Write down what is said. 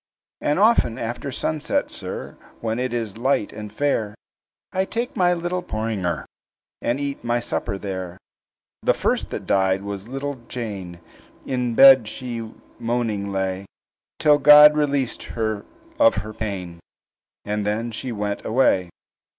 "And often after sunset, sir, When it is light and fair, I take my little porringer, And eat my supper there. "The first that died was little Jane; In bed she moaning lay, Till God released her of her pain, And then she went away.